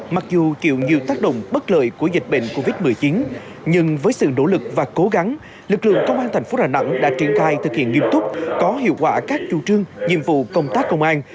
mặc dù chịu nhiều tác động bất lợi của dịch bệnh covid một mươi chín nhưng với sự nỗ lực và cố gắng lực lượng công an thành phố đà nẵng đã triển khai thực hiện nghiêm túc có hiệu quả các chủ trương nhiệm vụ công tác công an